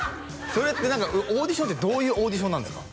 それって何かオーディションってどういうオーディションなんですか？